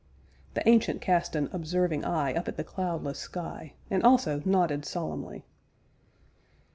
The Ancient cast an observing eye up at the cloudless sky, and also nodded solemnly.